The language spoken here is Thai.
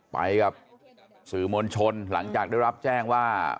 ไปกับสื่อมวลชนหลังจากได้รับแจ้งว่า